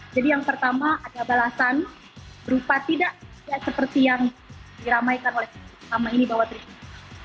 jadi yang pertama ada balasan berupa tidak seperti yang diramaikan oleh sama ini bahwa tersebut